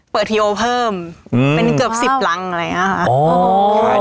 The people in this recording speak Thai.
เปิดทีโอเพิ่มอืมเป็นเกือบสิบลังค์อะไรอย่างนี้ค่ะอ๋อ